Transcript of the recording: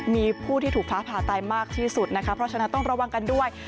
มีผู้ที่ถูกฟ้าผ่าตายมากที่สุดนะคะเพราะฉะนั้นต้องระวังกันด้วย